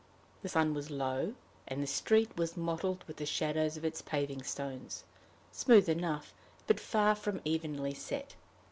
The sun was low, and the street was mottled with the shadows of its paving stones smooth enough, but far from evenly set.